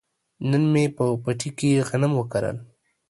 نن مې په پټي کې غنم وکرل.